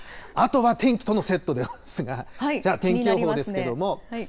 あとは天気とのセットですが、じゃあ、天気予報ですけれども。